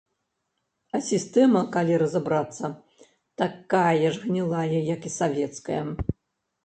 А сістэма, калі разабрацца, такая ж гнілая, як і савецкая.